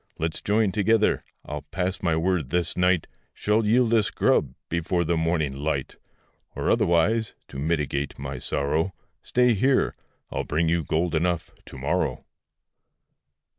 Let's join together; I'll pass my word this night Shall yield us grub, before the morning light. Or otherwise (to mitigate my sorrow), Stay here, I'll bring you gold enough to morrow.